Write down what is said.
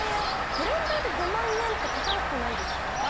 ブレンダーで５万円って高くないですか？